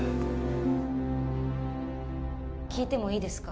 聞いてもいいですか？